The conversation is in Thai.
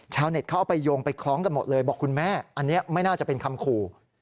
เน็ตเขาเอาไปโยงไปคล้องกันหมดเลยบอกคุณแม่อันนี้ไม่น่าจะเป็นคำขู่